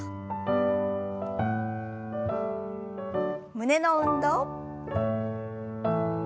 胸の運動。